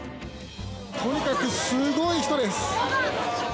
とにかくすごい人です。